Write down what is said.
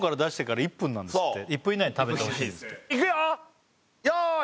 １分以内に食べてほしい用意